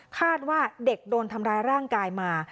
คาดว่าเด็กโดนทำร้ายร่างกายมา